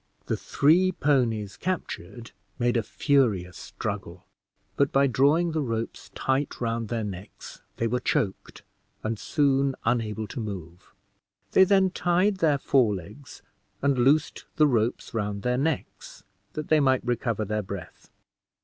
The three ponies captured made a furious struggle, but by drawing the ropes tight round their necks they were choked, and soon unable to move. They then tied their fore legs, and loosed the ropes round their necks, that they might recover their breath.